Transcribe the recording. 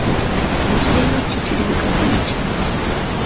Ekibiina kyo kiri bugazi ki?